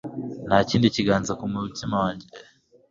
nta kindi kiganza ku mutima wanjye